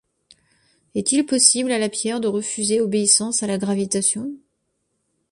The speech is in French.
Est-il possible à la pierre de refuser obéissance à la gravitation?